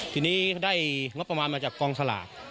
ทีนี้ได้งบประมาณมาจากกองสลาก